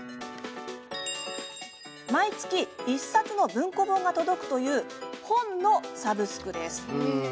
毎月、１冊の文庫本が届くという本のサブスクです。